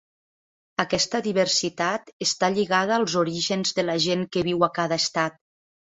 Aquesta diversitat està lligada als orígens de la gent que viu a cada estat.